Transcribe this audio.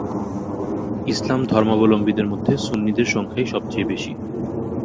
ইসলাম ধর্মাবলম্বীদের মধ্যে সুন্নিদের সংখ্যাই সবচেয়ে বেশি।